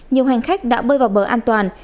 nhiều hành khách đã bơi vào bờ an toàn